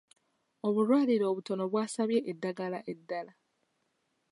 Obulwaliro obutono bwasabye eddagala eddaala.